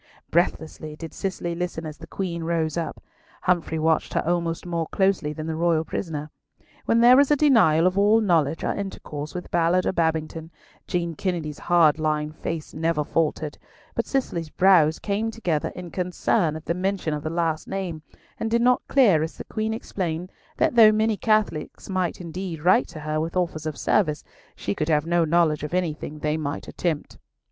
Breathlessly did Cicely listen as the Queen rose up. Humfrey watched her almost more closely than the royal prisoner. When there was a denial of all knowledge or intercourse with Ballard or Babington, Jean Kennedy's hard lined face never faltered; but Cicely's brows came together in concern at the mention of the last name, and did not clear as the Queen explained that though many Catholics might indeed write to her with offers of service, she could have no knowledge of anything they might attempt.